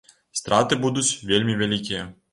Страты будуць вельмі вялікія.